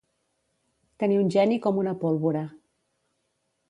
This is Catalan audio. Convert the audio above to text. Tenir un geni com una pólvora.